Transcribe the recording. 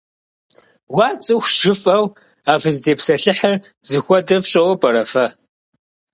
Уа, цӀыхущ жыфӀэу а фызытепсэлъыхьыр зыхуэдэр фщӀэуэ пӀэрэ фэ?